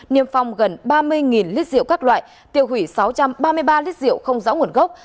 niêm phong gần ba mươi lít rượu các loại tiêu hủy sáu trăm ba mươi ba lít rượu không rõ nguồn gốc